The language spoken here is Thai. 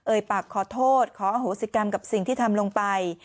ปากขอโทษขออโหสิกรรมกับสิ่งที่ทำลงไป